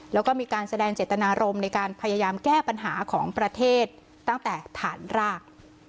แล้วก็มีการแสดงเจตนารมณ์ในการพยายามแก้ปัญหาของประเทศตั้งแต่ฐานราก